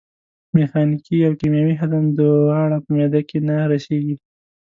میخانیکي او کیمیاوي هضم دواړه په معدې کې نه رسېږي.